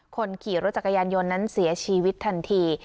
คนขี่รถจักรยานยนต์นั้นเสียชีวิตทันที